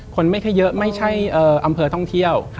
คนไม่ค่อยเยอะไม่ใช่อำเภอท่องเที่ยว